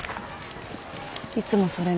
いつもそれね。